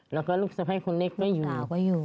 แล้วก็ลูกสะพายคนเล็กก็อยู่